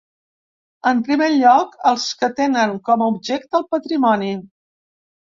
En primer lloc, els que tenen com a objecte el patrimoni.